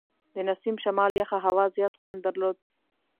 د نسیم شمال یخه هوا زیات خوند درلود.